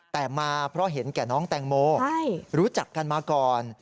แต่มาเพราะเห็นแก่น้องแตงโมรู้จักกันมาก่อน